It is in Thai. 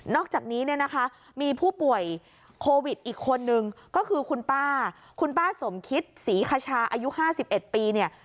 อกจากนี้เนี่ยนะคะมีผู้ป่วยโควิดอีกคนนึงก็คือคุณป้าคุณป้าสมคิดศรีคชาอายุ๕๑ปีเนี่ย